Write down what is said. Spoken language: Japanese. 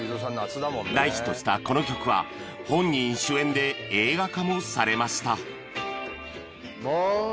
大ヒットしたこの曲は本人主演で映画化もされました